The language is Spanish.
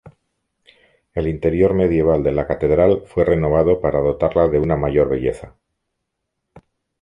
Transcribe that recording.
El interior medieval de la catedral fue renovado para dotarla de una mayor belleza.